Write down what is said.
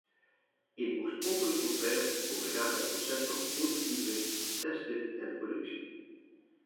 Een oorspronkelijk ontwerp ondergaat het proces van prototype, testen en productie.